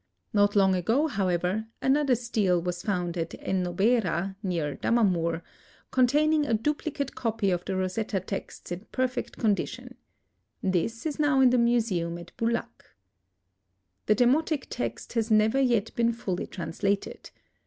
Not long ago, however, another stele was found at En Nobeira, near Dammamour, containing a duplicate copy of the Rosetta texts in perfect condition. This is now in the museum at Boulak. The demotic text has never yet been fully translated.